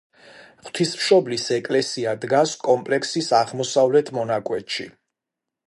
ღვთისმშობლის ეკლესია დგას კომპლექსის აღმოსავლეთ მონაკვეთში.